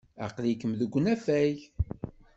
Aql-ikem deg unafag.